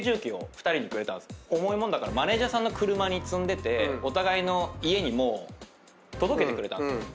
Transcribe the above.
重い物だからマネジャーさんの車に積んでてお互いの家にもう届けてくれた。